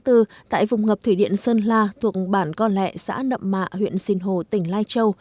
tại vùng ngập thủy điện sơn la thuộc bản con lẹ xã nậm mạ huyện sinh hồ tỉnh lai châu